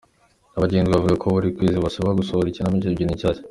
Nyabyenda avuga ko buri kwezi basabwaga gusohora ikinamico ebyiri nshyashya.